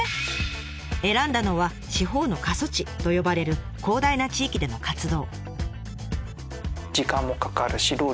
選んだのはと呼ばれる広大な地域での活動。